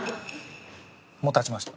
もう経ちました。